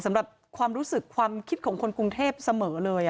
สำหรับความรู้สึกความคิดของคนกรุงเทพเสมอเลย